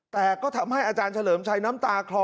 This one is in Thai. แต่ก็ทำให้อาจารย์เฉลิมชัยน้ำตาคลอ